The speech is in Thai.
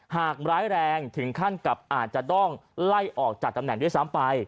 หากร้ายแรงถึงขั้นกับอาจจะต้องไล่ออกจากตำแหน่งด้วยซ้ำไป